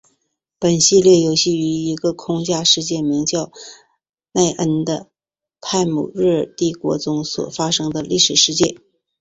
本系列游戏于一个架空世界名叫奈恩的泰姆瑞尔帝国中所发生的历史事件。